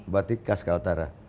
batik kals kaltara